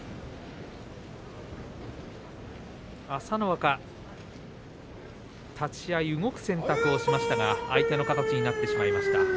朝乃若、立ち合い動く選択をしましたが相手の形になってしまいました。